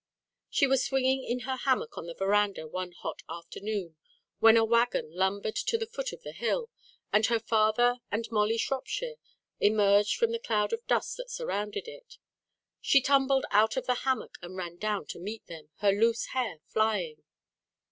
She was swinging in her hammock on the verandah one hot afternoon, when a wagon lumbered to the foot of the hill, and her father and Molly Shropshire emerged from the cloud of dust that surrounded it. She tumbled out of the hammock, and ran down to meet them, her loose hair flying.